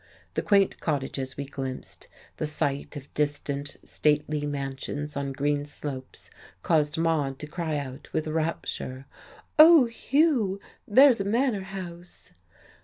The quaint cottages we glimpsed, the sight of distant, stately mansions on green slopes caused Maude to cry out with rapture: "Oh, Hugh, there's a manor house!"